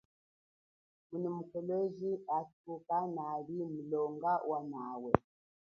Muno mu Kolwezi athu kanali mulonga wa mawe.